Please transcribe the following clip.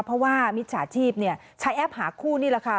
เพราะว่ามิจฉาชีพใช้แอปหาคู่นี่แหละค่ะ